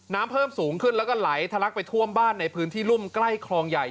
น้ำเพิ่มสูงขึ้นแล้วก็ไหลทะลักไปท่วมบ้านในพื้นที่รุ่มใกล้คลองใหญ่